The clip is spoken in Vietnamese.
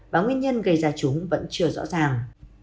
và nguyên nhân gây ra chúng vẫn chưa rõ ràng